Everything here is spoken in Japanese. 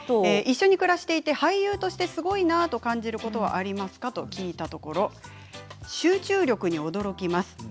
一緒に暮らしていて俳優としてすごいなと感じることはありますか？と聞いたところ「集中力に驚きます。